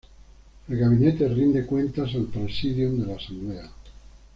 El gabinete rinde cuentas al Presidium de la Asamblea.